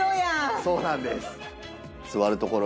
そうなんです。